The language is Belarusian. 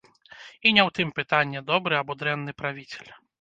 І не ў тым пытанне, добры або дрэнны правіцель.